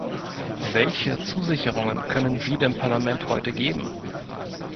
Welche Zusicherungen können Sie dem Parlament heute geben?